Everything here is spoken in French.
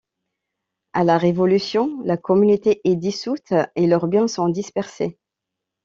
À la Révolution, la communauté est dissoute et leurs biens sont dispersés.